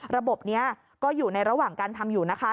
ระบบนี้ก็อยู่ในระหว่างการทำอยู่นะคะ